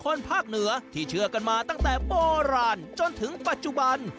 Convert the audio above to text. ภาคเหนือที่เชื่อกันมาตั้งแต่โบราณจนถึงปัจจุบัน